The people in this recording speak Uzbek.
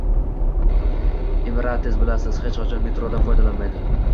Emirates, bilasiz, hech qachon metrodan foydalanmaydi.